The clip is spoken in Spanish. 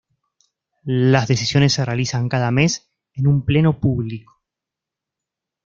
Las decisiones se realizan cada mes en un pleno público.